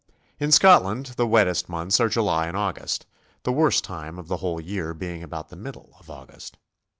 In Scotland the wettest months are July and August, the worst time of the whole year being about the middle of August.